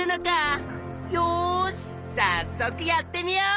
よしさっそくやってみよう！